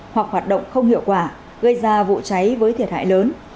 hoặc hoạt động không hiệu quả gây ra vụ cháy với thiệt hại lớn